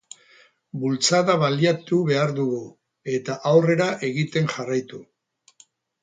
Bultzada baliatu behar dugu, eta aurrera egiten jarraitu.